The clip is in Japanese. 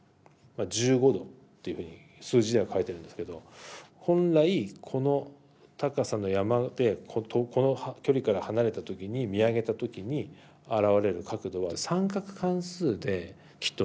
１５°っていうふうに数字では書いてるんですけど本来この高さの山でこの距離から離れた時に見上げた時にあらわれる角度は三角関数できっと分かるぞと。